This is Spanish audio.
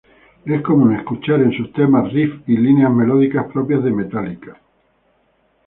Es común escuchar en sus temas riffs y líneas melódicas propias de Metallica.